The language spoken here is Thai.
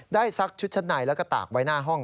ซักชุดชั้นในแล้วก็ตากไว้หน้าห้อง